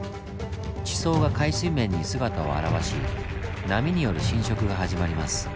地層が海水面に姿を現し波による侵食が始まります。